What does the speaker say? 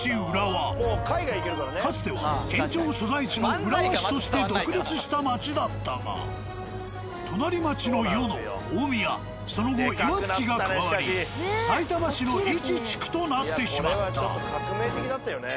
かつては県庁所在地の浦和市として独立した町だったが隣町の与野大宮その後岩槻が加わりこれはちょっと革命的だったよね。